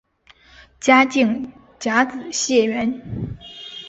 嘉靖甲子解元。